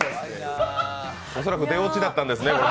恐らく出オチだったんですね。